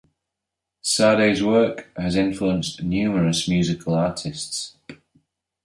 Sade's work has influenced numerous musical artists.